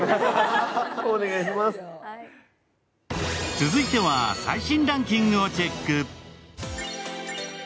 続いては最新ランキングをチェック。